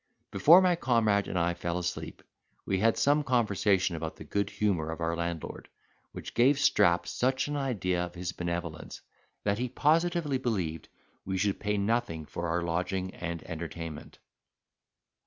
Before my comrade and I fell asleep, we had some conversation about the good humour of our landlord, which gave Strap such an idea of his benevolence, that he positively believed we should pay nothing for our lodging and entertainment.